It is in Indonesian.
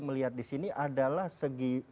melihat disini adalah segi